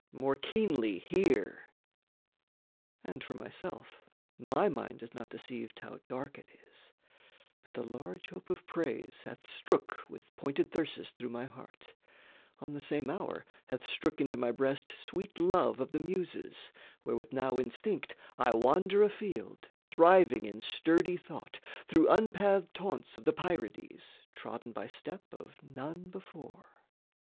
More keenly hear! And for myself, my mind is not deceived How dark it is: But the large hope of praise Hath strook with pointed thyrsus through my heart; On the same hour hath strook into my breast Sweet love of the Muses, wherewith now instinct, I wander afield, thriving in sturdy thought, Through unpathed haunts of the Pierides, Trodden by step of none before.